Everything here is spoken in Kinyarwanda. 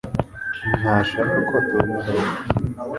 Ntashaka ko atora indabyo